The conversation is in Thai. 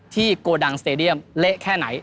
โกดังสเตดียมเละแค่ไหน